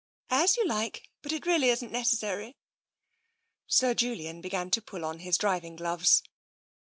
" As you like, but it really isn't necessary." Sir Julian began to pull on his driving gloves.